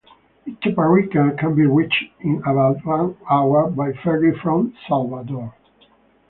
Itaparica can be reached in about one hour by ferry from Salvador.